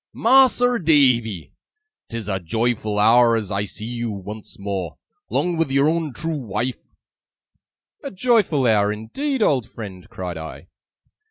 'Mas'r Davy, 'tis a joyful hour as I see you, once more, 'long with your own trew wife!' 'A joyful hour indeed, old friend!' cried I.